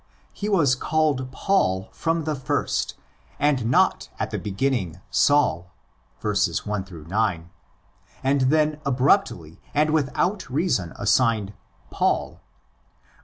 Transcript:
He was called Paul from the first, and not at the beginning Saul (verses 1 9), and then, abruptly and without reason assigned, Paul.